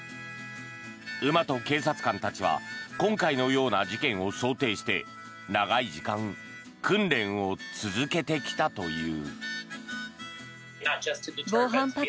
馬と警察官たちは今回のような事件を想定して長い時間、訓練を続けてきたという。